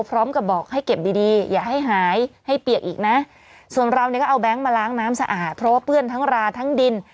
พร้อมกับบอกให้เก็บดีดีอย่าให้หายให้เปียกอีกนะส่วนเราเนี่ยก็เอาแก๊งมาล้างน้ำสะอาดเพราะว่าเปื้อนทั้งราทั้งดิน